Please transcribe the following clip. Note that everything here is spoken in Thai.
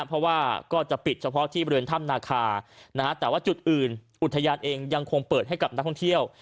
เพราะว่าก็จะปิดเฉพาะที่บริเวณถ้ำนาคานะฮะแต่ว่าจุดอื่นอุทยานเองยังคงเปิดให้กับนักท่องเที่ยว